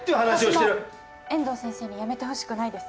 私も遠藤先生に辞めてほしくないです。